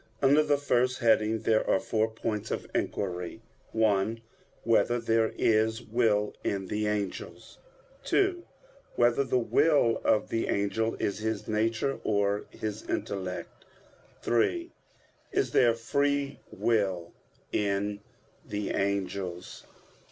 Under the first heading there are four points of inquiry: (1) Whether there is will in the angels? (2) Whether the will of the angel is his nature, or his intellect? (3) Is there free will in the angels?